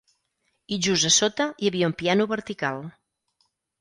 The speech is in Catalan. I just a sota hi havia un piano vertical.